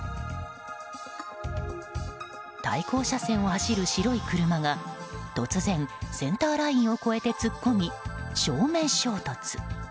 対向車線を走る白い車が突然センターラインを越えて突っ込み正面衝突。